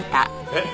えっ